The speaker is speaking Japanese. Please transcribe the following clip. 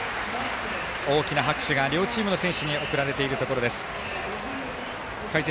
大きな拍手が、両チームの選手に送られているところです。